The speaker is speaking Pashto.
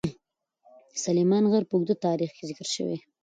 سلیمان غر په اوږده تاریخ کې ذکر شوی.